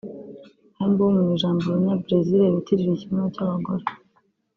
Bumbum ni ijambo Abanyabrezil bitirira ikibuno cy’abagore